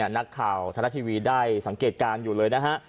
นักข่าวธนาทีวีได้สังเกตการณ์อยู่เลยนะฮะ